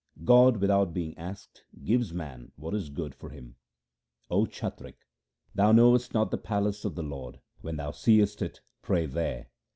God, without being asked, gives man what is good for him :— 0 chatrik, thou knowest not the palace of the Lord ; when thou seest it pray there.